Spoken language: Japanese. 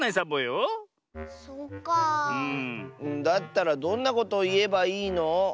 だったらどんなことをいえばいいの？